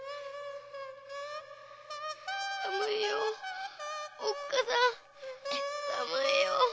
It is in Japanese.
〔寒いよおっかさん寒いよ〕